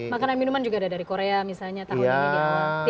makanan minuman juga ada dari korea misalnya tahun ini